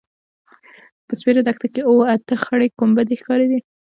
په سپېره دښته کې اوه – اته خړې کومبدې ښکارېدلې.